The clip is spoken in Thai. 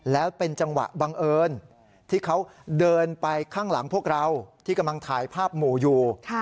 แล้วเป็นจังหวะบังเอิญที่เขาเดินไปข้างหลังพวกเราที่กำลังถ่ายภาพหมู่อยู่